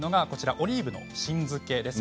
オリーブの新漬けです。